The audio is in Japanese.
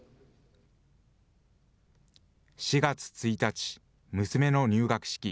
４月１日、娘の入学式。